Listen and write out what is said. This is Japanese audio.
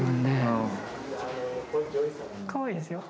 かわいいですよ。